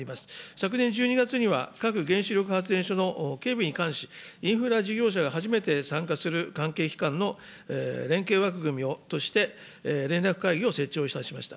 昨年１２月には、各原子力発電所の警備に関し、インフラ事業者が初めて参加する関係機関の連携枠組みとして連絡会議を設置をいたしました。